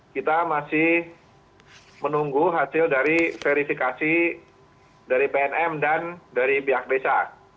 kita masih menunggu hasil dari verifikasi dari pnm dan dari pihak desa